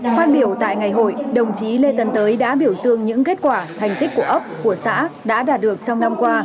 phát biểu tại ngày hội đồng chí lê tân tới đã biểu dương những kết quả thành tích của ấp của xã đã đạt được trong năm qua